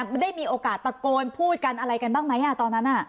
มันได้มีโอกาสตะโกนพูดกันอะไรกันบ้างไหมตอนนั้น